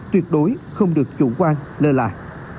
tuyệt đối không được chủ quan lơ lại